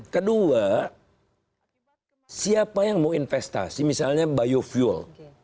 kedua siapa yang mau investasi misalnya biofuel